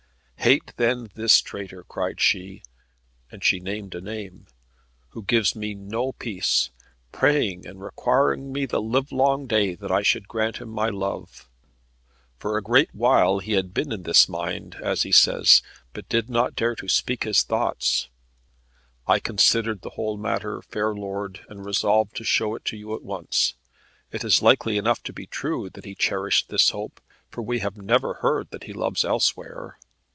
"Hate then this traitor," cried she, and she named a name "who gives me no peace, praying and requiring me the livelong day that I should grant him my love. For a great while he had been in this mind as he says but did not dare to speak his thoughts. I considered the whole matter, fair lord, and resolved to show it you at once. It is likely enough to be true that he cherished this hope, for we have never heard that he loves elsewhere.